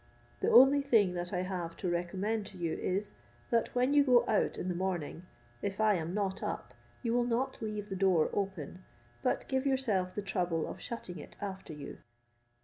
The only thing that I have to recommend to you is, that when you go out in the morning, if I am not up, you will not leave the door open, but give yourself the trouble of shutting it after you."